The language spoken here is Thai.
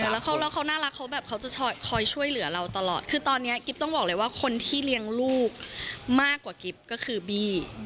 แล้วเขาน่ารักเขาแบบเขาจะคอยช่วยเหลือเราตลอดคือตอนนี้กิ๊บต้องบอกเลยว่าคนที่เลี้ยงลูกมากกว่ากิ๊บก็คือบี้